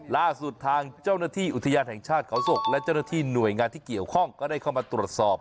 ล่าสุดทางเจ้าหน้าที่อุทยานแห่งชาติเขาศกและเจ้าหน้าที่หน่วยงานที่เกี่ยวข้องก็ได้เข้ามาตรวจสอบ